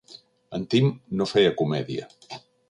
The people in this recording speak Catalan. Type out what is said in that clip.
El Tim no feia comèdia.